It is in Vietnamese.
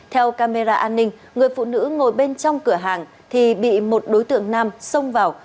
theo camera an ninh người phụ nữ ngồi bên trong cửa hàng thì bị một đối tượng nam xông vào